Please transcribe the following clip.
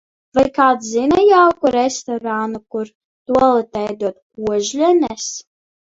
Vai kāds zina jauku restorānu kur, tualetē dod košļenes?